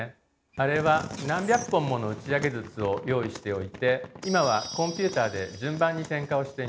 あれは何百本もの打ち上げ筒を用意しておいて今はコンピューターで順番に点火をしています。